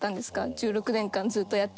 １６年間ずっとやってて。